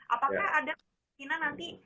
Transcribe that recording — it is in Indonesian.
apakah ada kemungkinan nanti